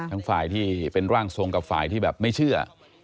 ทั้งฝ่ายที่เป็นร่างทรงกับฝ่ายที่แบบไม่เชื่อ